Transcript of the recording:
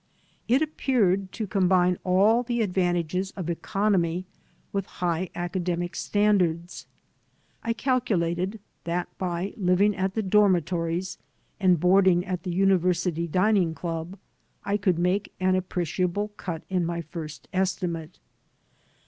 It appeared to combine all the advantages of economy with high academic standards. I calculated that by living at the dormitories and boarding at the University Dining Club I could make an appreciable cut in my first estimate.